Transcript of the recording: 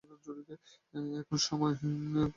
এখনই সময় গ্রেগরি রাসপুটিনকে হত্যা করার।